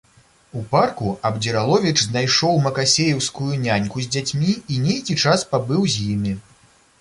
У парку Абдзіраловіч знайшоў макасееўскую няньку з дзяцьмі і нейкі час пабыў з імі.